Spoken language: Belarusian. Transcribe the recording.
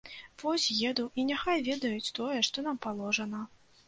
Вось, еду і няхай выдаюць тое, што нам паложана.